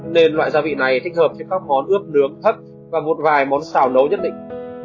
nên loại gia vị này thích hợp với các món ướp nướng thấp và một vài món xào nấu nhất định